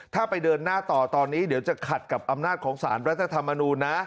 ถ้าไปเดินหน้าต่อตอนนี้เดี๋ยวจะขัดกับอำนาจของสารรัฐธรรมนูญนะ